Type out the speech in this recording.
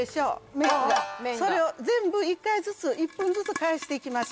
面がそれを全部１回ずつ１分ずつ返していきます